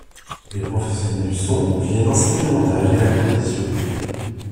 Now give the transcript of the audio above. Des professionnels du son viennent enseigner le montage et la composition.